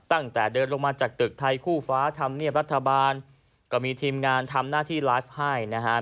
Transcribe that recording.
ตั้งแต่เดินลงมาจากตึกไทยคู่ฟ้าธรรมเนียบรัฐบาลก็มีทีมงานทำหน้าที่ไลฟ์ให้นะครับ